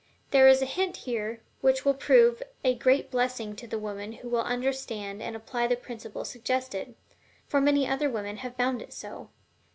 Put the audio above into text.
There is a hint here which will prove a great blessing to the woman who will understand and apply the principle suggested for many other women have found it so.